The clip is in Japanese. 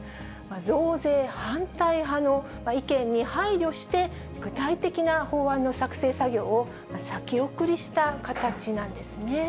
増税反対派の意見に配慮して、具体的な法案の作成作業を先送りした形なんですね。